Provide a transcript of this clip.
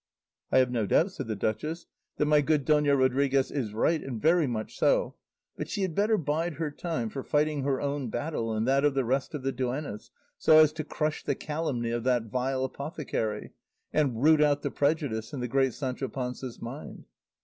"I have no doubt," said the duchess, "that my good Dona Rodriguez is right, and very much so; but she had better bide her time for fighting her own battle and that of the rest of the duennas, so as to crush the calumny of that vile apothecary, and root out the prejudice in the great Sancho Panza's mind."